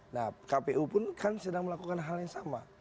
nah kpu pun kan sedang melakukan hal yang sama